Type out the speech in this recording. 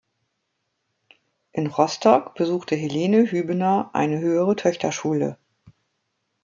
In Rostock besuchte Helene Hübener eine Höhere Töchterschule.